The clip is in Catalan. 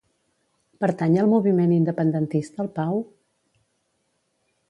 Pertany al moviment independentista el Pau?